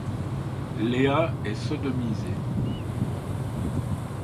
Léa est sodomisée.